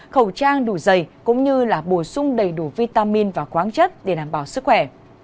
khẩu trang đủ dày cũng như bổ sung đầy đủ vitamin và quán chất để đảm bảo sức khỏe